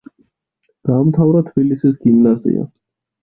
დაამთავრა თბილისის გიმნაზია.